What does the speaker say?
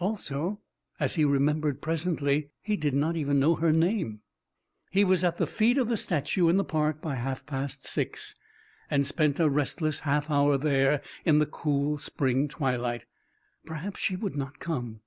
Also, as he remembered presently, he did not know her name. He was at the feet of the statue in the park by half past six, and spent a restless half hour there in the cool spring twilight. Perhaps she would not come!